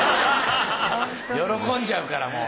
喜んじゃうからもう。